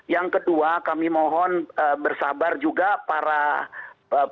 yang kedua kami mohon bersabar juga para pemimpin